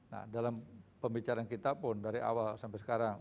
nah dalam pembicaraan kita pun dari awal sampai sekarang